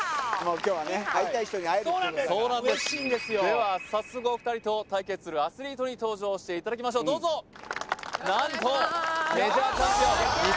今日はね会いたい人に会えるそうなんですそうなんですでは早速お二人と対決するアスリートに登場していただきましょうどうぞよろしくお願いします